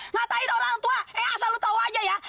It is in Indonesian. ngatain orang tua eh asal lo tahu aja ya